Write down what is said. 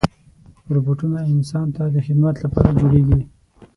روبوټونه انسان ته د خدمت لپاره جوړېږي.